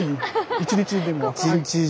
一日でも。